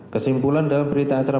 kesimpulan dalam berita acara